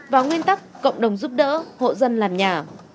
và nguyên tắc cộng đồng giúp đỡ hộ dân làm nhà